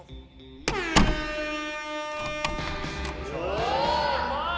おうまい！